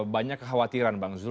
banyak kekhawatiran bang zul